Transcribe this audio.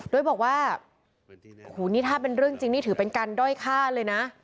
โดยบอกว่าโอ้โหนี่ถ้าเป็นเรื่องจริงนี่ถือเป็นการด้อยฆ่าเลยนะ